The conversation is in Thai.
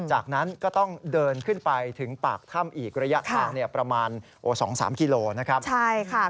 จากนั้นก็ต้องเดินขึ้นไปถึงปากท่ำอีกระยะทางนี้ประมาณสองสามกิโลนะครับใช่ค่ะ